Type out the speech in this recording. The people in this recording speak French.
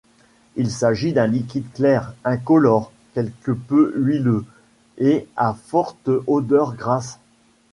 Il s'agit d'un liquide clair, incolore, quelque peu huileux, et à forte odeur grasse.